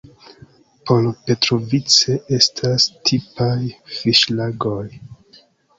Por Petrovice estas tipaj fiŝlagoj.